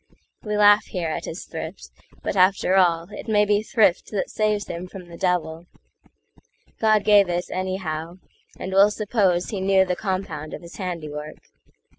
We laugh here at his thrift, but after allIt may be thrift that saves him from the devil; God gave it, anyhow,—and we'll supposeHe knew the compound of his handiwork.